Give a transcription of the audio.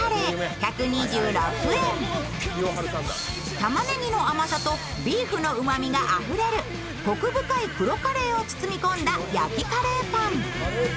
玉ねぎの甘さとビーフのうまみがあふれるこく深い黒カレーを包み込んだ焼きカレーパン。